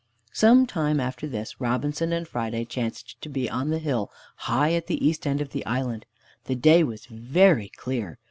Some time after this Robinson and Friday chanced to be on the high hill at the east end of the island. The day was very clear.